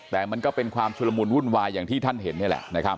แต่มันก็เป็นความชุลมุนวุ่นวายอย่างที่ท่านเห็นนี่แหละนะครับ